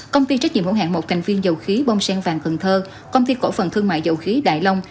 công ty trách nhiệm hữu hạng một thành viên dầu khí bong sen vàng cần thơ công ty cổ phần thương mại dầu khí đại long